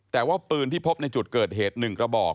แต่ว่าปืนที่พบในจุดเกิดเหตุ๑กระบอก